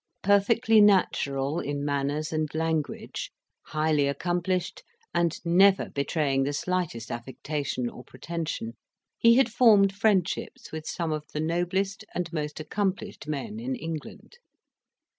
Perfectly natural in manners and language, highly accomplished, and never betraying the slightest affectation or pretension, he had formed friendships with some of the noblest and most accomplished men in England.